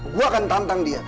gue akan tantang dia